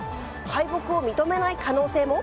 敗北を認めない可能性も。